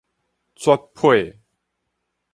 泏沫